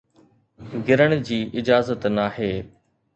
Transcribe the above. گرڻ جي اجازت ناهي